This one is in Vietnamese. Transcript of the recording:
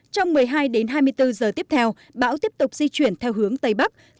trong một mươi hai đến hai mươi bốn giờ tiếp theo bão tiếp tục di chuyển theo hướng tây bắc